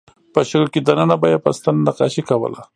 په شګو کې دننه به یې په ستنه نقاشۍ کولې.